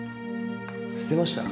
捨てました。